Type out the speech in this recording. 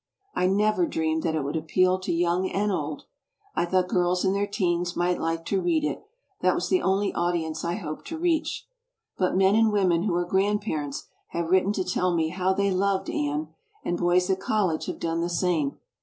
I never dreamed that it would appeal to young and old. I thought girls in their teens might like to read it, that was the only audience I hoped to reach. But men and women who are grandparents have written to tell me how they loved Anne, and boys at college have done the same.